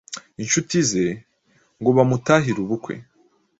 ninshuti ze, ngo bamutahire ubukwe